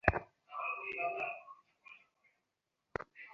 তিনি হিজলি বন্দি নিবাসে কিছুদিন বন্দী ছিলেন।